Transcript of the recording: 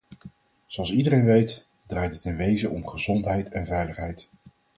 Zoals iedereen weet, draait het in wezen om gezondheid en veiligheid.